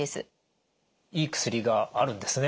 いい薬があるんですね。